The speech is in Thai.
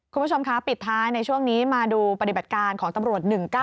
คุณผู้ชมคะปิดท้ายในช่วงนี้มาดูปฏิบัติการของตำรวจ๑๙๑